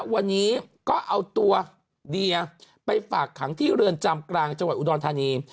วันนี้ก็เอาตัวเดียไปฝากขังที่เรือนจำกลางจังหวัดอุดรธานี